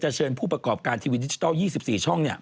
เชิญผู้ประกอบการทีวีดิจิทัล๒๔ช่อง